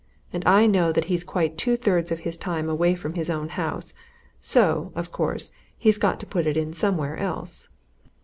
And I know that he's quite two thirds of his time away from his own house so, of course, he's got to put it in somewhere else."